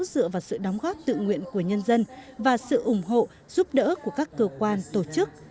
dựa vào sự đóng góp tự nguyện của nhân dân và sự ủng hộ giúp đỡ của các cơ quan tổ chức